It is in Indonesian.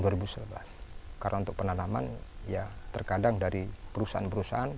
karena untuk penanaman ya terkadang dari perusahaan perusahaan